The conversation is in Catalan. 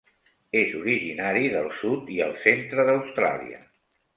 És originari del sud i el centre d'Austràlia.